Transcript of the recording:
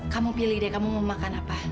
kamu pilih deh kamu mau makan apa